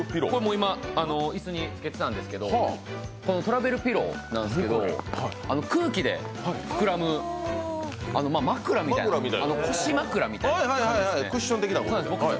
今、椅子につけてたんですけどこのトラベルピローなんですけれども空気で膨らむ枕みたいな腰枕みたいな感じですね。